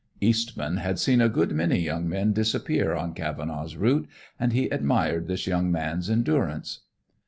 Eastman had seen a good many young men disappear on Cavenaugh's route, and he admired this young man's endurance.